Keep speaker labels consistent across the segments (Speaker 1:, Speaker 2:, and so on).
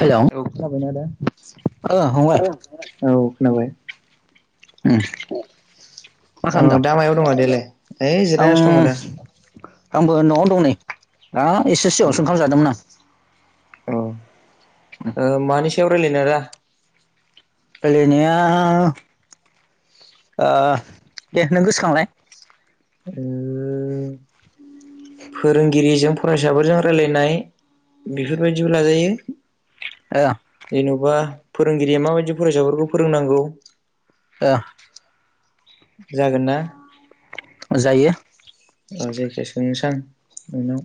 Speaker 1: Hello
Speaker 2: औ खोनाबायना आदा
Speaker 1: ओ फंबाय
Speaker 2: औ खोनाबाय।
Speaker 1: उम। मा
Speaker 2: औ
Speaker 1: खालामदों
Speaker 2: दा मायाव दङ देलाय ओइ जिरायनासो दङ
Speaker 1: आं
Speaker 2: दा
Speaker 1: आंबो नआव दं नै । दा एसे सिगाङावसो ओंखाम जादोंमोन आं।
Speaker 2: अह मानि सायाव रायलायनो आदा ।
Speaker 1: रायलायनाया ओ दे नों गोसोखांलाय
Speaker 2: ओ फोरोंगिरिजों फरायसाफोरजों रायलायनाय बेफोरबायदिबो लाजायो
Speaker 1: ओ
Speaker 2: जेनबा फोरोंगिरिया माबायदि फरायसाफोरखौ फोरोंनांगौ
Speaker 1: ओ
Speaker 2: जागोन ना
Speaker 1: जायो
Speaker 2: जायखिया सोंनोसां नोंनाव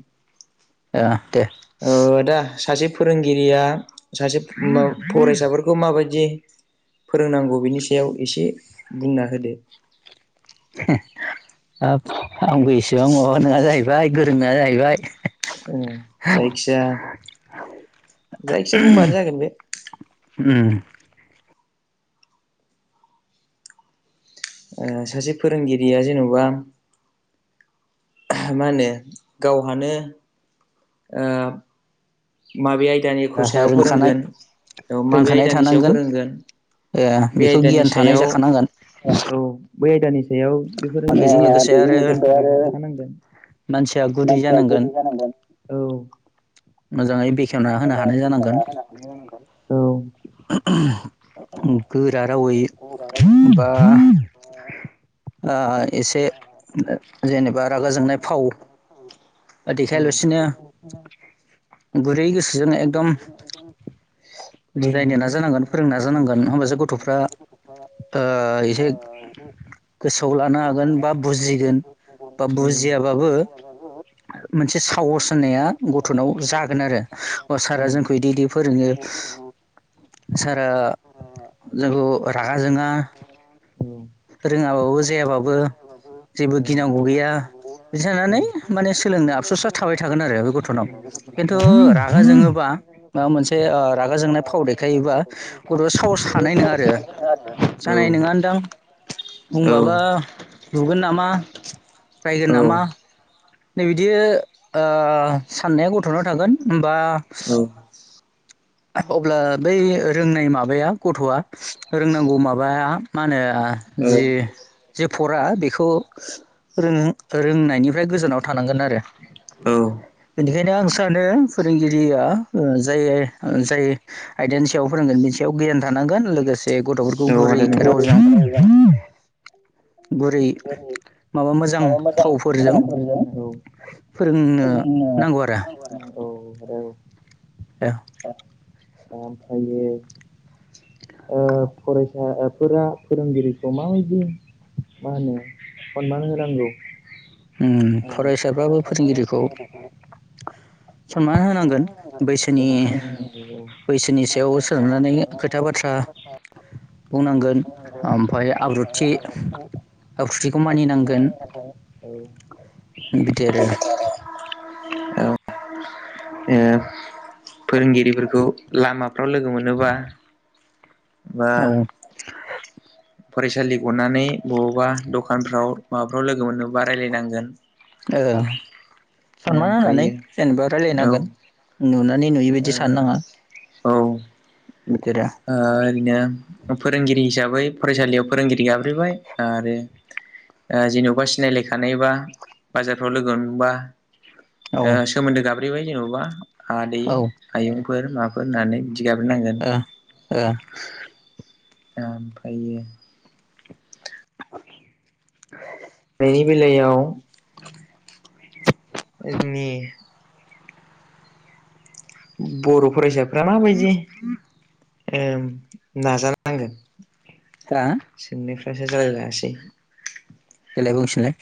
Speaker 1: ओ दे
Speaker 2: ओ दा सासे फोरोंगिरिया सासे फरायसाफोरखौ माबायदि दि फोरोंनांगौ बिनि सायाव एसे बुंना होदो
Speaker 1: हे हाब आंबो इसेबां माबा नङा जाहैबाय गोरों नङा जाहैबाय
Speaker 2: उम जायखिया जायखिजाया बुंबानो जागोन बे
Speaker 1: उम
Speaker 2: ओ सासे फोरोंगिरिया जेनबा मा होनो गावहानो ओ माबे आयदानिखौ सायाव
Speaker 1: ओ रोंखानाय
Speaker 2: फोरोंगोन औ माबे
Speaker 1: रोंखानाय
Speaker 2: आयदानि सायाव
Speaker 1: थानांगोन
Speaker 2: फोरोंगोन
Speaker 1: ओ
Speaker 2: बे
Speaker 1: बेखौ
Speaker 2: आयदानि
Speaker 1: गियान थानाय
Speaker 2: सायाव
Speaker 1: जाखानांगोन
Speaker 2: औ बे आयदानि सायाव बे ओ
Speaker 1: बेजों लोगोसे आरो
Speaker 2: फोरोंगिरि होनांगोन
Speaker 1: मानसिया गुरै
Speaker 2: मानसिया
Speaker 1: जानांगोन
Speaker 2: गुरै जानांगोन औ
Speaker 1: मोजाङै बेखेवना होनो हानाय जानांगोन
Speaker 2: औ
Speaker 1: गोरा रावै बा आ एसे जेनेबा रागा जोंनाय फाव
Speaker 2: औ
Speaker 1: देखायालासिनो गुरै गोसोजों एकदम
Speaker 2: फोरोंनो
Speaker 1: बुजायनो ना
Speaker 2: हानाय
Speaker 1: जानांगोन फोरोंनो नाजानांगोन होमबासो गथ'फ्रा ओ इसे गोसोआव लानो हागोन बा बुजिगोन बा
Speaker 2: औ
Speaker 1: बुजियाबाबो मोनसे साहस होना गथ'नाव जागोन आरो अह
Speaker 2: औ
Speaker 1: सारा जोंखौ बिदि इदि फोरोङो सारा जोंखौ रागा जोंङा
Speaker 2: औ
Speaker 1: रोङाबाबो जायाबाबो जेबो गिनांगौ गैया बिदि सानानै माने सोलोंनानै आबसुसा थाबाय थागोन आरो बे गथ'नाव
Speaker 2: जागोन औ
Speaker 1: खिन्थु रागा जोंङोबा माबा मोनसे रागा जोंनाय फाव देखायोबा गथ'आ साहस हानाय नङा आरो जानाय
Speaker 2: औ
Speaker 1: नङानदां बुंबाबा बुगोन नामा रायगोन नामा नै बिदि ओ साननाया गथ'नाव थागोन होनबा
Speaker 2: औ
Speaker 1: अब्ला बै रोंनाय माबाया गथ'आ रोंनांगौ माबाया मा होनो
Speaker 2: औ
Speaker 1: जि फट बेखौ रोंनायनिफ्राय गोजानाव थानांगोन आरो
Speaker 2: औ
Speaker 1: बेनिखायनो आं सानो फोरोंगिरिया जाय जाय आयदानि सायाव फोरोंगोन बिनि सायाव गियान थानांगोन लोगोसे गथ'फोरखौ
Speaker 2: औ
Speaker 1: गुरै
Speaker 2: नंगौ
Speaker 1: रावजों गुरै
Speaker 2: बोरि माबा मोजां
Speaker 1: फोरोंनो नांगौ
Speaker 2: औ [inaudible] [inaudible]
Speaker 1: ए
Speaker 2: ओमफ्रायो ओ फरायसाफोरा फोरोंगिरिखौ माबायदि मा होनो सनमान होनांगौ
Speaker 1: ओम फरायसाफ्राबो फोरोंगिरिखौ सनमान होनांगोन
Speaker 2: औ
Speaker 1: बैसोनि
Speaker 2: मान होनांगौ
Speaker 1: बैसोनि सायाव सोलोंनानै खोथा बाथ्रा बुंनांगोन ओमफफ्राय आब्रुथि आखुथिखौ मानिनांगोन
Speaker 2: औ
Speaker 1: बिटि आर आरो
Speaker 2: औ [unintelligible] ओ फोरोंगिरिफोरखौ लामाफ्राव लोगो मोनोबा बा
Speaker 1: औ
Speaker 2: फरायसालि गनानै बबावबा दखानफ्राव माबाफ्राव लोगो मोननो बा रायलायनांगोन।
Speaker 1: ओ सनमान होनानै
Speaker 2: ओमफ्रायो
Speaker 1: जेनेबा
Speaker 2: औ
Speaker 1: रायलायनांगोन। नुनानै नुयैबायायदि सान नाङा
Speaker 2: ओ औ ओ ओरैनो फोरोंगिरि हिसाबै फरायसालियाव फोरोंगिरि गाबज्रिबाय आरो ओ जेनेबा सिनायलायखानायबा बाजारफ्राव लोगो मोनबा
Speaker 1: औ
Speaker 2: ओ सोमोन्दो गाब्रैबाय जेनेबा आदै
Speaker 1: ओ
Speaker 2: आयुंफोर माबाफोर होननानै थिगाब नांगोन [unintelligible]
Speaker 1: ओम
Speaker 2: ओमफ्र [unintelligible]
Speaker 1: [unintelligible]
Speaker 2: बेनि बेलायाव [unintelligible] बर' फरायसाफ्रा माबायदि ओ नाजा नांगोन सोंनायफ्रासो जालाय लायासै
Speaker 1: जेलाय बुंफिनलाय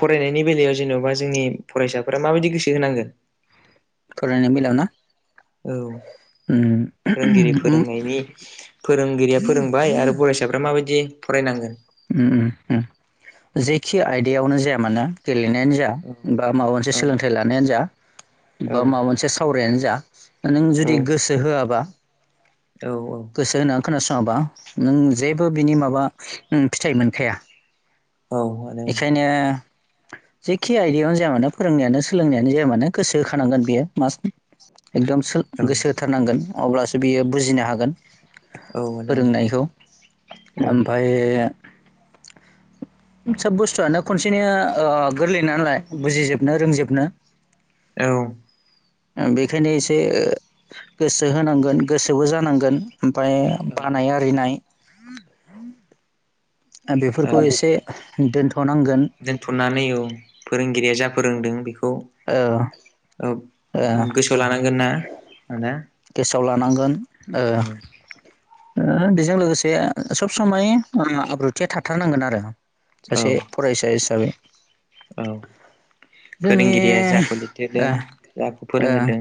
Speaker 2: फरायनायनि बेलायाव जेन'बा जोंनि फरायसाफोरा माबायदि गोसो होनांगोन
Speaker 1: थरायनो मिलााव [unintelligible] ना
Speaker 2: औ
Speaker 1: उम
Speaker 2: फोरोंगिरि
Speaker 1: उम
Speaker 2: फोरोंनायनि फोरोंगिरिया फोरोंबाय आरो फरायसाफ्रा माबायदि फरायनांगोन।
Speaker 1: ओम ओम ओ जेखि आयदायावनो जाया मानो गेलेनायानो जा बा माबा मोनसे
Speaker 2: औ
Speaker 1: सोलोंथाइ लानायानो जा
Speaker 2: औ
Speaker 1: बा माबा मोनसे सावरायानो जा नों जुदि गोसो होआबा
Speaker 2: औ औ
Speaker 1: गोसो होनानै खोनासङाबा नों जेबो बिनि माबा फिथाइ मोनखाया।
Speaker 2: औ
Speaker 1: बेखायनो [unintelligible] जेखि आयदायावनो जाया मानोे फोरोंनायानो सोलोंनायानो जाया मानो गोसो होखानांगोन बेयो मास एकदम गोसो
Speaker 2: औ
Speaker 1: होथारनांगोन अब्लासो बियो बुजिनो हागोन।
Speaker 2: औ आदा औ
Speaker 1: फोरोंनायखौ
Speaker 2: औ
Speaker 1: ओमफाय सोब बुस्थुआनो खनसेनि ओ गोरलै नालाय बुजिजोबनो रोंजोबनो
Speaker 2: औ
Speaker 1: बेखायनो एसे गोसो होनांगोन गोसोबो जानांगोन। ओमफाय बानाय
Speaker 2: औ
Speaker 1: आरिनाय ओ
Speaker 2: औ
Speaker 1: बेफोरखौ एसे दोनथ'नांगोन
Speaker 2: दोनथ'नानै औ फोरोंगिरिया जा फोरोंदों बेखौ
Speaker 1: ओ
Speaker 2: औ
Speaker 1: ओ
Speaker 2: गोसोआव लानांगोन ना आदा
Speaker 1: गोसोआव लानांगोन
Speaker 2: औ
Speaker 1: बेजों लोगोसे सब समाय आब्रुथिया थाथारनांगोन आरो
Speaker 2: औ
Speaker 1: सासे फरायसा हिसाबै
Speaker 2: औ
Speaker 1: जोंनि
Speaker 2: फोरोंगिरिया जाखौ लिरहोदों
Speaker 1: ओ
Speaker 2: जाखौ
Speaker 1: ओ
Speaker 2: फोरोंहोदों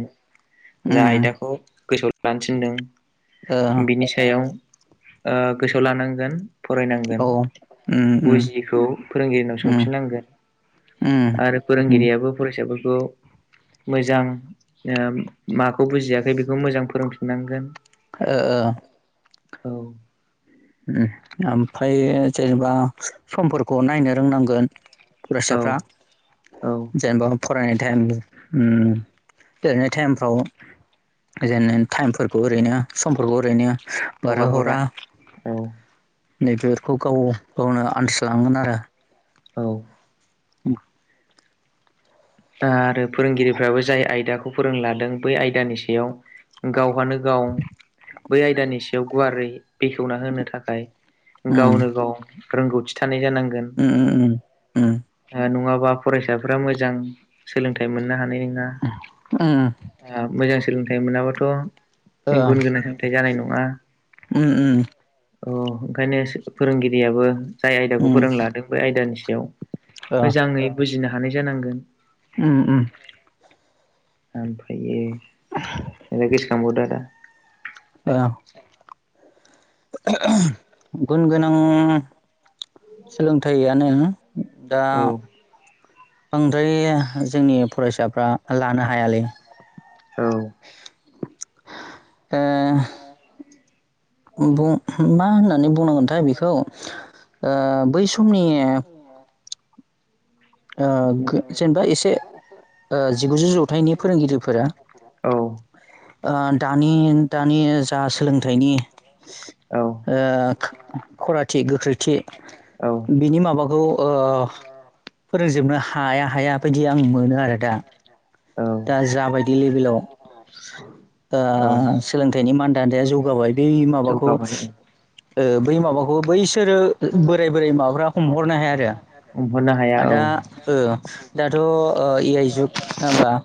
Speaker 2: जा
Speaker 1: उम
Speaker 2: आयदाखौ गोसोआव लानो थिनदों
Speaker 1: ओ
Speaker 2: बिनि सायाव ओ गोसोआव लानांगोन। फरायनांगोन
Speaker 1: औ उम उम
Speaker 2: बुजियिखौ फोरोंगिरिनाव
Speaker 1: उम
Speaker 2: सोंफिननांगोन।
Speaker 1: उम
Speaker 2: आरो
Speaker 1: उम
Speaker 2: फोरोंगिरियाबो फरायसाफोरखौ मोजां योम माखौ बुजियाखै बेखौ मोजां फोरोंफिननांगोन।
Speaker 1: ओ ओ।
Speaker 2: औ।
Speaker 1: उम ओमफ्राय जेनेबा समफोरखौ नायनो रोंनांगोन। फुरायसाफ्रा
Speaker 2: औ
Speaker 1: जेनेबा फरायनाय टाइम ओम लिरेनाय टाइमफ्राव जेन टाइमफोरखौ ओरैनो समफोरखौ ओरैनो
Speaker 2: हगार हरा औ।
Speaker 1: नै बेेफोरखौ गाव गावनो आनसलांगोन आरो।
Speaker 2: औ।
Speaker 1: उम।
Speaker 2: ओयो फोरोंगिरिफ्राबो जाय आयदाखौ फोरोंलादों बै आयदानि सायाव गावहानो गाव बै आयदानि सायाव गुवारै बेखेवना होनो थाखाय
Speaker 1: उम
Speaker 2: गावनो गाव रोंगौथि थानाय जानांगोन
Speaker 1: उम
Speaker 2: ओ नङा बा फरायसाफोरा मोजां सोलोंथाइ मोननो हानाय ना
Speaker 1: उम
Speaker 2: ओयो मोजां सोलोंथाइ मोनाबाथ'
Speaker 1: ओ
Speaker 2: इन गुन गोनां साोलोंथाय जानाय नङा।
Speaker 1: उम उम
Speaker 2: अ ओंखायनो सो फोरोंगिरियाबो जाय आयदाखौ
Speaker 1: उम
Speaker 2: फोरोंलादों बे आयदानि सायाव
Speaker 1: ओ
Speaker 2: मोजाङै बुजिनो हानाय जानांगोन।
Speaker 1: उम उम।
Speaker 2: ओमफ्रायो एने गोसोखांबावदो आदा।
Speaker 1: औ ओहो गुन गोनां सोलोंथाइयानो दा
Speaker 2: औ
Speaker 1: बांद्राय जोंनि फरायसाफ्रा लानो हायालै
Speaker 2: औ
Speaker 1: दा बुं मा होननानै बुंनांगोनथाय बेखौ ओह बै समनि ओ गो जेनेबा एसे ओ जिगुजौ जौथाइनि फोरोंगिरिफोरा।
Speaker 2: औ
Speaker 1: ओ दानि दानि जा सोलोंथाइनि
Speaker 2: औ
Speaker 1: ओ खो खराथि गोख्रैथि
Speaker 2: औ
Speaker 1: बिनि माबाखौ ओ फोरोंजोबनो हाया हाया बायदि आं मोनो आरो दा
Speaker 2: औ
Speaker 1: दा जाबायदि लेभेलाव
Speaker 2: औ
Speaker 1: ओयो सोलोंथाइनि मानदान्दाया जौगाबाय बै माबाखौ
Speaker 2: जौगाबाय औ
Speaker 1: ओ बै माबाखौ बैसोरो बोराय बोराय माबाफ्रा हमहरनो हाया आरो।
Speaker 2: हमहरनो हाया औ
Speaker 1: आदा ओ दाथ' ओह ए आइ जुग नङा होनबा?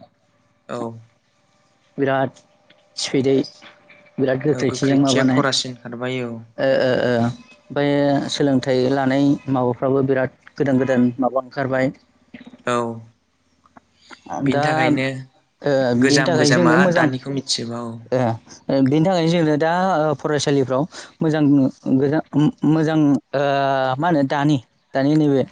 Speaker 2: औ।
Speaker 1: बिराद सिपिदै बिराद
Speaker 2: औ
Speaker 1: गोख्रैथिजों
Speaker 2: गोख्रैथिया
Speaker 1: माबानाय
Speaker 2: खरासिन खारबाय औ
Speaker 1: ओ ओ ओ। बेफ्राय सोलोंथाइ लानाय माबाफ्राबो बिराद गोदान गोदान माबा ओंखारबाय।
Speaker 2: औ बिनि
Speaker 1: दा
Speaker 2: थाखायनो।
Speaker 1: ओ बेनि
Speaker 2: गोजाम
Speaker 1: थाखाय
Speaker 2: गोजामा
Speaker 1: जोंनो मोजां
Speaker 2: दानिखौ मिथिजोबा औ
Speaker 1: ओ ओ बेनि थाखायनो जोंदा [unintelligible] दानि नैबे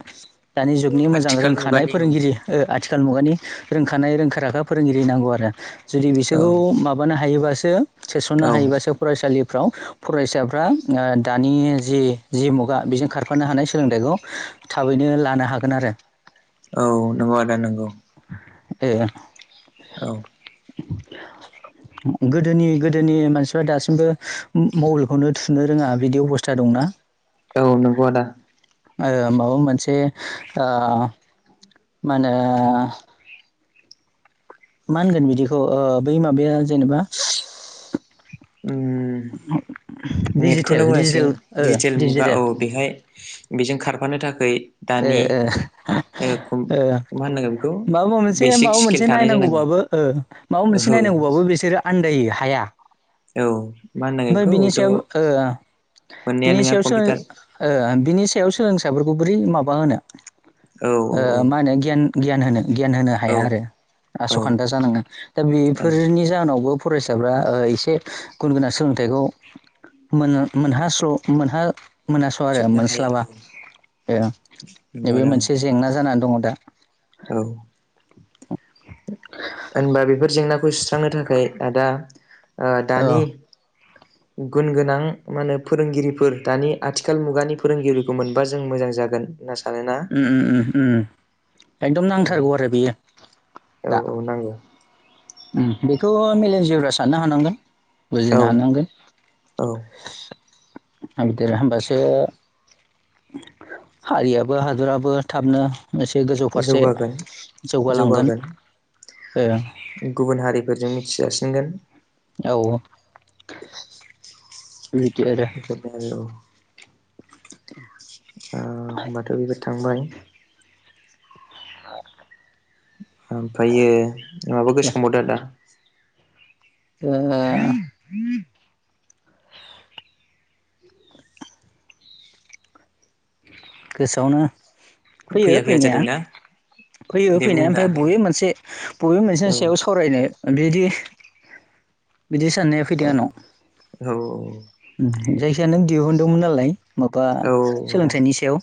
Speaker 1: दानि जुगनि मोजां
Speaker 2: आथिखाल
Speaker 1: रोंखानाय
Speaker 2: मुगानि औ
Speaker 1: फोरोंगिरि ओ आथिख मुगानि रोंखानाय रोंखा राखा फोरोंगिरि नांगौ आरो जुदि
Speaker 2: औ
Speaker 1: बिसोरखौ माबानो हायोबासो
Speaker 2: औ
Speaker 1: सोसननो हायोबासो फरायसालि फाव फरायसाफ्रा ओ दानि जि जि मुगा बेजों खारफानो हानाय सोलोंथाइखौ थाबैनो लानो हागोन आरो
Speaker 2: औ नंगौ आदा नंगौ
Speaker 1: ए।
Speaker 2: औ।
Speaker 1: [inaudible] [unintelligible] गोदोनि गोदोनि मानसिफ्रा दासिमबो मबाइलखौनो थुनो रोङा बिदि अबस्था दंना
Speaker 2: औ नंगौ आदा
Speaker 1: ओ माबा मोनसे ओ मा होनो मा होनगोन बिदिखौ ओ बै माबाया जेनेबा [inaudible]
Speaker 2: उम
Speaker 1: [unintelligible] डिजिटेल
Speaker 2: नेटखौनो बुंनांसिगोन
Speaker 1: डिजिटेल ओ
Speaker 2: डिजिटेल मुगा औ बेहाय बेजों खारफानो थाखै
Speaker 1: ए ए। ओ
Speaker 2: मा होननांगोन बेखौ
Speaker 1: माबा मोनसे
Speaker 2: बेसिक
Speaker 1: माबा
Speaker 2: स्किल
Speaker 1: मोनसे
Speaker 2: थानाय जानांगोन
Speaker 1: नायनांगौबाबो ओं माबा मोनसे नाय
Speaker 2: औ
Speaker 1: नायनांगौबाबो बिसोरो आनन्दायो हाया
Speaker 2: औ। मा होननांगोन
Speaker 1: ओमफ्राय बेनि सायाव
Speaker 2: बेखौथ'
Speaker 1: ओ
Speaker 2: मोननाया
Speaker 1: बिनि
Speaker 2: नोङा
Speaker 1: सायाव सों
Speaker 2: कम्पिउटार
Speaker 1: बिनि सायाव सोलोंसाफोरखौ बोरै माबा होनो
Speaker 2: औ
Speaker 1: मा
Speaker 2: औ
Speaker 1: होनो गियान गियान होनो गियान होनो
Speaker 2: औ
Speaker 1: हाया आरो
Speaker 2: औ
Speaker 1: आस'खान्था जानाङो दा
Speaker 2: औ
Speaker 1: बेफोरनि जाहोनावबो फरायसाफ्रा ओ एसे गुन गोनां सोलों थाइखौ मोन मोनहा स' मोनहा मोनहास'आ आरो
Speaker 2: जोबनो हाया
Speaker 1: मोनस्लाबा
Speaker 2: औ
Speaker 1: ए
Speaker 2: नंगौ
Speaker 1: नैबे
Speaker 2: आदा औ
Speaker 1: मोनसे जेंना जानानै दंङ दा
Speaker 2: औ होनबा बेफोर जेंनाखौ खौ सुस्रांनो थाखाय आदा ओ
Speaker 1: औ
Speaker 2: दानि गुन गोनां मा होनो फोरोंगिरिफोर दानि आथिखाल मुगानि फोरोंगिरिखौ मोनबा जों मोजां जागोन होनना सानोना
Speaker 1: उम उम उम उम एकदम नांथारगौ आरो बेयो दा
Speaker 2: औ औ नांगौ
Speaker 1: उम बेखौ मेलेमजिबिफोरा साननो हानांगोन
Speaker 2: औ
Speaker 1: बुजिनो हानांगोन
Speaker 2: औ
Speaker 1: बिदि आरो होमबासो हारियाबो हादराबो थाबनो एसे गोजौ फारसे
Speaker 2: जौगागोन
Speaker 1: जौगालांगोन
Speaker 2: जौगागोन बेफोरजों मिथि जासिनगोन
Speaker 1: औ। बिदि आरो
Speaker 2: बेफोरनो आरो औ ओ होमबाथ' बेबो थांबाय
Speaker 1: [inaudible] [unintelligible]
Speaker 2: ओमफ्रायो माबा
Speaker 1: दा
Speaker 2: गोसोखांबावदो आदा
Speaker 1: ओ। गोसोआवनो फैयो
Speaker 2: फैया फैया
Speaker 1: फैनाया
Speaker 2: जादोंना
Speaker 1: फैयो
Speaker 2: दे बुं
Speaker 1: फैनाया
Speaker 2: दा
Speaker 1: ओमफाय
Speaker 2: दे
Speaker 1: बबे मोनसे बबे
Speaker 2: औ
Speaker 1: मोनसेनि सायाव सावरायनो बिदि बिदि साननाया फैदों आंनाव
Speaker 2: औ
Speaker 1: उम जायखि जाया नों दिहुनदोंमोन नालाय माबा
Speaker 2: औ आदा
Speaker 1: सोलोंथाइनि सायाव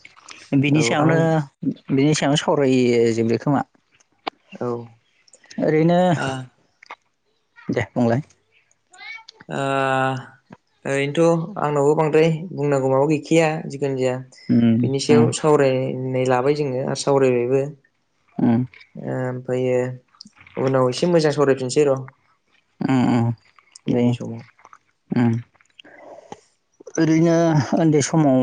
Speaker 1: बिनि
Speaker 2: औ आं
Speaker 1: सायावनो बिनि सायावनो सावरायो जोब बे खोमा
Speaker 2: औ
Speaker 1: ओरैनो
Speaker 2: ओ
Speaker 1: दे बुंलाय
Speaker 2: ओ ओरैनोथ' आंनावबो बांद्राय बुंनांगौ माबा गैखाया जि खुनजाया
Speaker 1: उम
Speaker 2: बिनि सायाव
Speaker 1: उम
Speaker 2: सावरायनाय लाबाय जोङो आरो सावरायबायबो
Speaker 1: उम
Speaker 2: ओ ओमफायो उनाव एसे मोजां सरायफिनसै र'।
Speaker 1: उम-उम दे
Speaker 2: उननि समाव
Speaker 1: उम ओरैनो ओन्दै समाव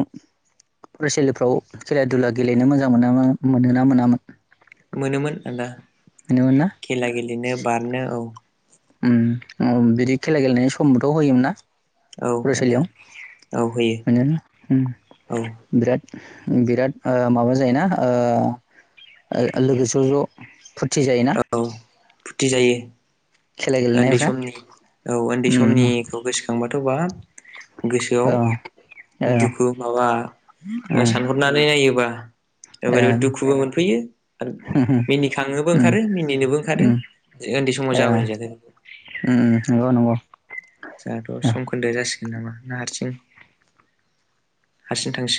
Speaker 1: फरायसालिफ्राव खेला दुला गेलेनो मोजां मोनामोन मोनोना मोनामोन
Speaker 2: मोनोमोन आदा
Speaker 1: मोनोमोन ना
Speaker 2: खेला गेलेनो बारनो औ
Speaker 1: उम उम बिदि खेला गेलेनाय समबोथ' होयोमोन ना
Speaker 2: औ आदा
Speaker 1: फरायसालियाव
Speaker 2: औ होयो
Speaker 1: मोनो उम
Speaker 2: औ
Speaker 1: बिराद बिराद ओ माबा जायोना ओ ओ लोगो स ज' फुरथि जायोना
Speaker 2: ओ औ फुथि जायो
Speaker 1: खेला
Speaker 2: ओन्दै
Speaker 1: गेलेनायफ्रा
Speaker 2: समनि औ ओन्दै
Speaker 1: ओम
Speaker 2: समनिखौ गोसोखांबाथ' बा गोसोआव
Speaker 1: ओ ओ
Speaker 2: दुखु माबा ओ सानहरनानै नायोबा ओै ओरैबो दुखुबो मोनफैयो आरो मिनिखांनोबो ओंखारो मिनिनोबो ओंखारो ओ ओन्दै समाव जाबोनाय जा
Speaker 1: उम-उम नंगौ नंगौ।
Speaker 2: जोंहाथ' समखोन्दोआ जासिगोन नामा ना हारसिं हारसिं थासि